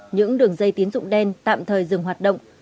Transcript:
những đường dây tín dụng đen tạm thời dừng hoạt động